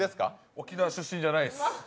沖縄出身じゃないです。